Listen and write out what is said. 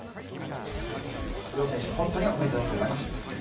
両選手、本当におめでとうございます。